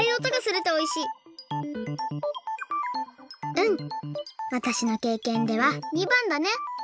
うんわたしのけいけんでは②ばんだね。